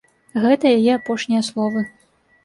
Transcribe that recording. Гэта яе апошнія словы.